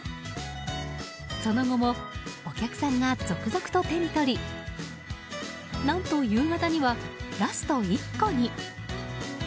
その後もお客さんが続々と手に取り何と夕方には、ラスト１個に。